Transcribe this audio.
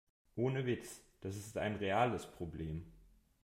Ohne Witz, das ist ein reales Problem.